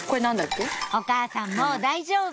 お母さんもう大丈夫！